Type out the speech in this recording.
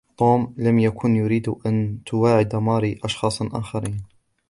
توم لم يكن يريد أن تواعد ماري أشخاصا آخرين.